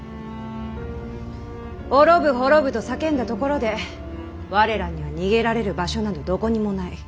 滅ぶ滅ぶと叫んだところで我らには逃げられる場所などどこにもない。